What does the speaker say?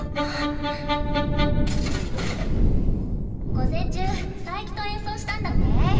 午前中佐伯と演奏したんだって？